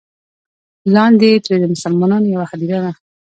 لاندې ترې د مسلمانانو یوه هدیره ده.